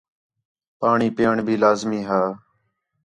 پاݨی پِیئݨ بھی لازمی ہا